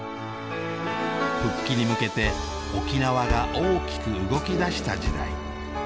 復帰に向けて沖縄が大きく動きだした時代。